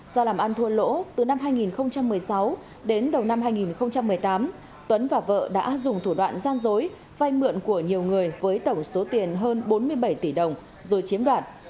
do làm ăn thua lỗ từ năm hai nghìn một mươi sáu đến đầu năm hai nghìn một mươi tám tuấn và vợ đã dùng thủ đoạn gian dối vay mượn của nhiều người với tổng số tiền hơn bốn mươi bảy tỷ đồng rồi chiếm đoạt